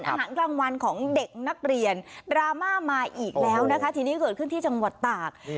อาหารกลางวันของเด็กนักเรียนดราม่ามาอีกแล้วนะคะทีนี้เกิดขึ้นที่จังหวัดตาก